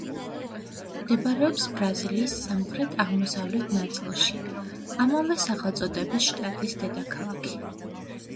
მდებარეობს ბრაზილიის სამხრეთ-აღმოსავლეთ ნაწილში, ამავე სახელწოდების შტატის დედაქალაქი.